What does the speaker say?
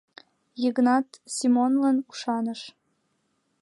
Йыгнат Семонлан ӱшаныш.